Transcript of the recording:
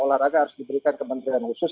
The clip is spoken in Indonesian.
olahraga harus diberikan ke menteri khusus